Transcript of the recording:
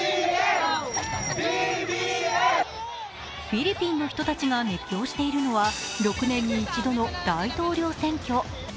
フィリピンの人たちが熱狂しているのは６年に一度の大統領選挙。